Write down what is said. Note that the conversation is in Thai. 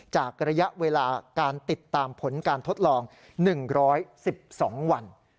ระยะเวลาการติดตามผลการทดลอง๑๑๒วัน